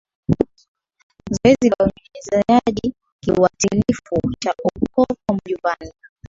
Zoezi la Unyunyiziaji Kiuatilifu cha Ukoko Majumbani